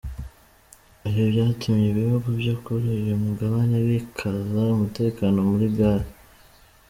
Ibi byatumye ibihugu byo kuri uyu mugabane bikaza umutekano muri gare.